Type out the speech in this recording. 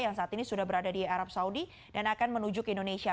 yang saat ini sudah berada di arab saudi dan akan menuju ke indonesia